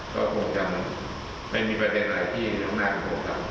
ก็โปรดการณ์ไปมีประเด็นหลายพี่อย่างง่ายกัน